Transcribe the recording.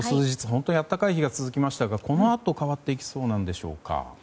本当に暖かい日が続きましたがこのあと、変わっていきそうなんでしょうか。